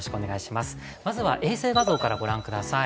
まずは、衛星画像からご覧ください。